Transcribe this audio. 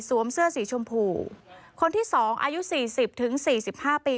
สวมเสื้อสีชมพูคนที่สองอายุ๔๐๔๕ปี